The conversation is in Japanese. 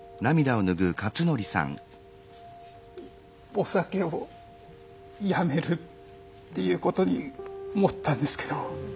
お酒をやめるっていうことに思ったんですけど。